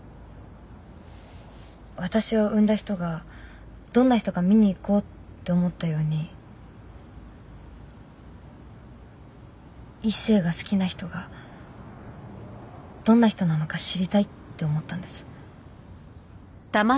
私を産んだ人がどんな人か見に行こうって思ったように一星が好きな人がどんな人なのか知りたいって思ったんです。